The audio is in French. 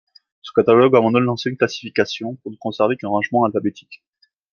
Ce catalogue abandonne l'ancienne classification pour ne conserver qu'un rangement alphabétique.